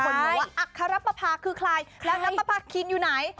ว่าอัคคารับปะพาคือใครแล้วน้ำปะพากินอยู่ไหน